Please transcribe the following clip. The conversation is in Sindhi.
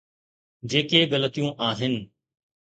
جيڪي غلطيون آهن.